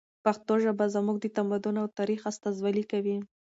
پښتو ژبه زموږ د تمدن او تاریخ استازولي کوي.